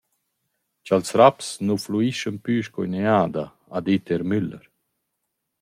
Cha’ls raps nu «fluischan plü sco üna jada», ha dit eir Müller.